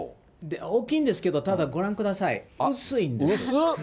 大きいんですけど、ただ、ご覧ください、薄いんです。